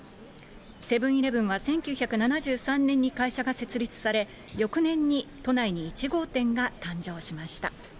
セブンイレブンは１９７３年に会社が設立され、翌年に都内に１号店が誕生しました。